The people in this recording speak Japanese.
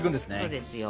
そうですよ。